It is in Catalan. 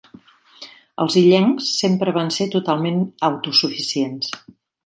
Els illencs sempre van ser totalment autosuficients.